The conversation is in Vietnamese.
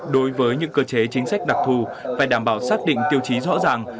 đối với những cơ chế chính sách đặc thù phải đảm bảo xác định tiêu chí rõ ràng